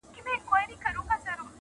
o په وږې خېټه غومبر نه کېږي!